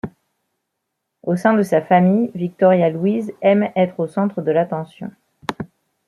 Au sein de sa famille, Victoria-Louise aime être au centre de l'attention.